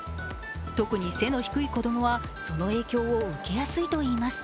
特に背の低い子供はその影響を受けやすいといいます。